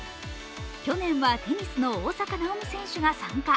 去年はテニスの大坂なおみ選手が参加。